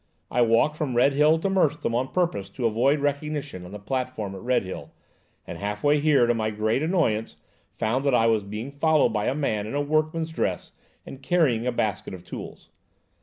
I walked from Redhill to Merstham on purpose to avoid recognition on the platform at Redhill, and half way here, to my great annoyance, found that I was being followed by a man in a workman's dress and carrying a basket of tools.